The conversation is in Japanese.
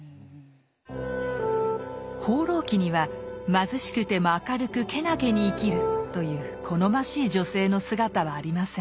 「放浪記」には「貧しくても明るくけなげに生きる」という好ましい女性の姿はありません。